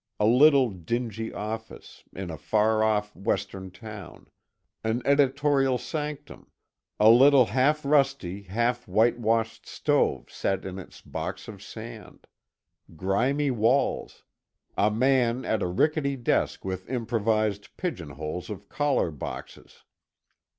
A little dingy office, in a far off Western town; an "editorial sanctum;" a little half rusty, half white washed stove set in its box of sand; grimy walls; a man at a rickety desk with improvised pigeon holes of collar boxes.